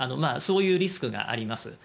そういうリスクがあります。